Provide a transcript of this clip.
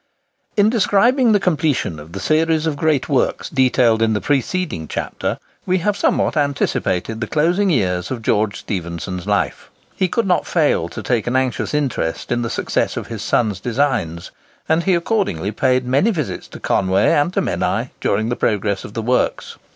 In describing the completion of the series of great works detailed in the preceding chapter, we have somewhat anticipated the closing years of George Stephenson's life. He could not fail to take an anxious interest in the success of his son's designs, and he accordingly paid many visits to Conway and to Menai, during the progress of the works.